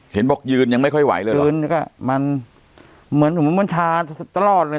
เห็นบอกยืนยังไม่ค่อยไหวเลยพื้นก็มันเหมือนมันทาตลอดเลย